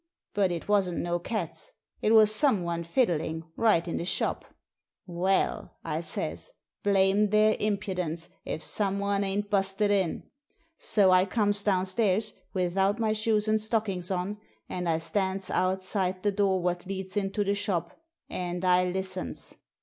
But it wasn't no cats ; it was someone fiddling, right in the shop ! 'Well,' I says, 'blame their impudence, if someone ain't busted in.* So I comes downstairs without my shoes and stockings on, and I stands outside the door what leads into the shop, and I listens.